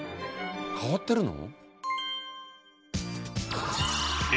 変わってるの？